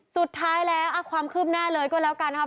สุดท้ายแล้วความคืบหน้าเลยก็แล้วกันนะครับ